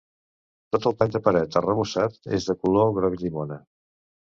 Tot el pany de paret arrebossat, és de color groc llimona.